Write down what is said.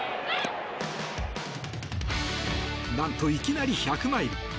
なんと、いきなり１００マイル